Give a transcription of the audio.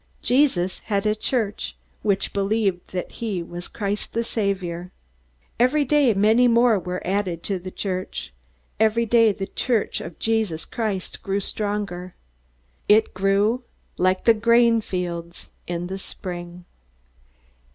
Jesus had a Church, which believed that he was Christ the Saviour. Every day many more were added to the Church. Every day the Church of Jesus Christ grew stronger. It grew like the grainfields in the spring.